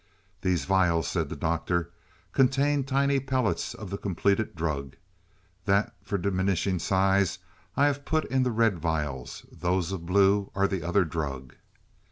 "These vials," said the Doctor, "contain tiny pellets of the completed drug. That for diminishing size I have put in the red vials; those of blue are the other drug.